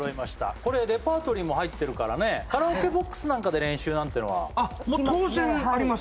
これレパートリーも入ってるからねカラオケボックスなんかで練習なんてのは行きますねもう当然あります